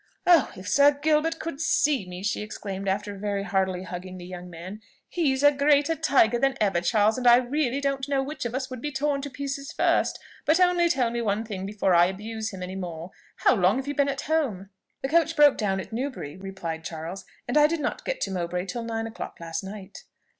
"Oh! if Sir Gilbert could see me!" she exclaimed after very heartily hugging the young man. "He's a greater tiger than ever, Charles, and I really don't know which of us would be torn to pieces first; but only tell me one thing before I abuse him any more: how long have you been at home?" "The coach broke down at Newberry," replied Charles, "and I did not get to Mowbray till nine o'clock last night."